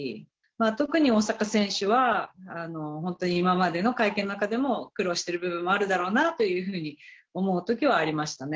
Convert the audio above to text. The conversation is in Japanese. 特に大坂選手は、本当に今までの会見の中でも、苦労している部分もあるだろうなというふうに思うときもありましたね。